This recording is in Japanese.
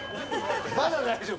まだ大丈夫。